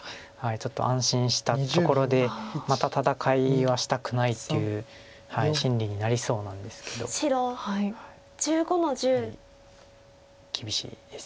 ちょっと安心したところでまた戦いはしたくないっていう心理になりそうなんですけどやはり厳しいです。